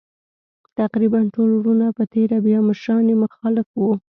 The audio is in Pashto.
تقریباً ټول وروڼه په تېره بیا مشران یې مخالف وو.